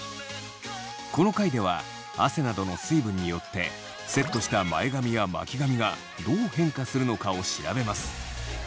この回では汗などの水分によってセットした前髪や巻き髪がどう変化するのかを調べます。